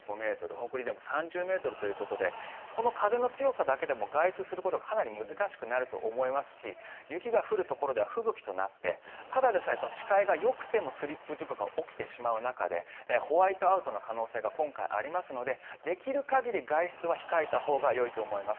北陸でも３０ｍということでこの風の強さだけでも外出することがかなり難しくなると思いますし雪が降るところでは吹雪となってただでさえ視界がよくてもスリップ事故が起きてしまう中でホワイトアウトの可能性が今回、ありますのでできる限り外出は控えたほうがよいと思います。